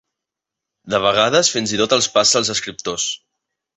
De vegades fins i tot els passa als escriptors.